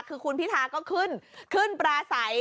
คือคุณพิธาก็ขึ้นขึ้นปลาใส